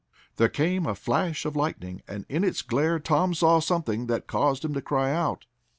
There came a flash of lightning, and in its glare Tom saw something that caused him to cry out.